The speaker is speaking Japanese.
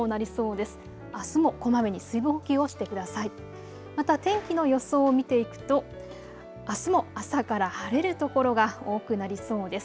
また天気の予想を見ていくとあすも朝から晴れる所が多くなりそうです。